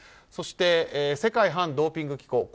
そして、世界反ドーピング機構